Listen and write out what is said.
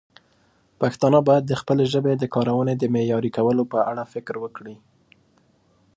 پښتانه باید د خپلې ژبې د کارونې د معیاري کولو په اړه فکر وکړي.